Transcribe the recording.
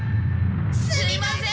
すみません！